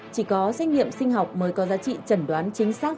chỉ có xét nghiệm sinh học mới có giá trị trần đoán chính xác